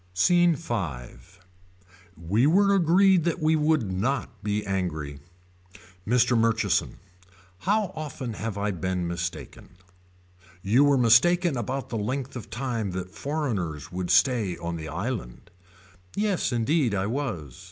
SCENE V. We were agreed that we would not be angry. Mr. Murchison. How often have I been mistaken. You were mistaken about the length of time that foreigners would stay on the island. Yes indeed I was.